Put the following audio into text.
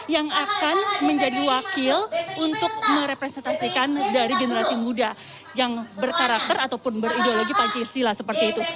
yang akan menjadi wakil untuk merepresentasikan dari generasi muda yang berkarakter ataupun berideologi pancasila seperti itu